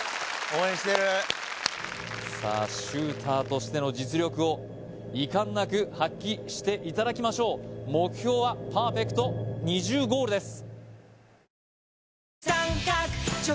２０本さあシューターとしての実力を遺憾なく発揮していただきましょう目標はパーフェクト２０ゴールです